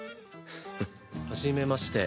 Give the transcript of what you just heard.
はじめまして。